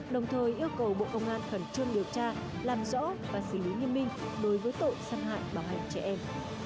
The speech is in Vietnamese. đồng thời yêu cầu bộ công an khẩn trương điều tra làm rõ và xử lý hiên minh đối với tội sát hại bạo hành trẻ em